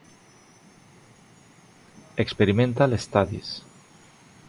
Experimental studies.